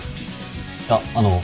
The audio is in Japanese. いやあの。